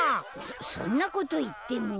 そんなこといっても。